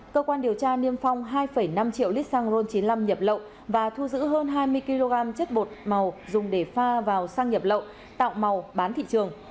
cơ quan điều tra niêm phong hai năm triệu lít xăng ron chín mươi năm nhập lậu và thu giữ hơn hai mươi kg chất bột màu dùng để pha vào sang nhập lậu tạo màu bán thị trường